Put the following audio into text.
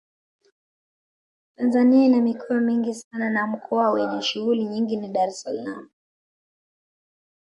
Tanzania ina mikoa mingi sana na mkoa wenye shughuli nyingi ni Dar es salaam